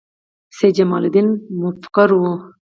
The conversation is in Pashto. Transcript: سید جمال الدین مفکر و